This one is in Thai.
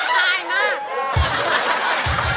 ตายมาก